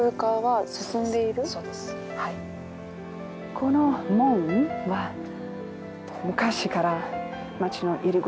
この門は昔から町の入り口。